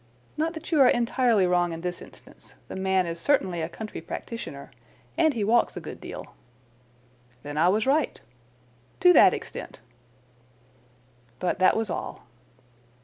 Not that you are entirely wrong in this instance. The man is certainly a country practitioner. And he walks a good deal." "Then I was right." "To that extent." "But that was all."